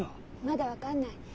まだ分かんない。